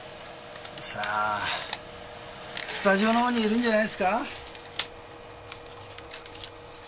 さあスタジオのほうにいるんじゃないですか？